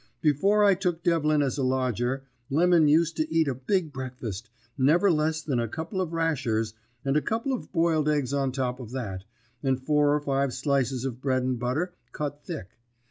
Before I took Devlin as a lodger, Lemon used to eat a big breakfast, never less than a couple of rashers, and a couple of boiled eggs on the top of that, and four or five slices of bread and butter cut thick.